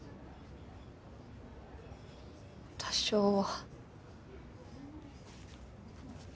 多少は。